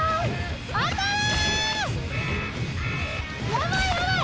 ・やばいやばい